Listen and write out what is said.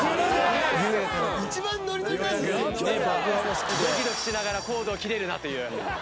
ドキドキしながらコードを切れるなという。